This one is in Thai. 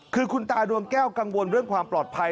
คือคุณตาดวงแก้วกังวลเรื่องความปลอดภัย